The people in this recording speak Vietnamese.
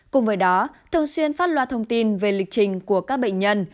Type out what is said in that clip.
cùng với đó thường xuyên phát loa thông tin về lịch trình của các bệnh nhân